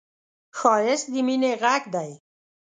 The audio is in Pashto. ښایست د مینې غږ دی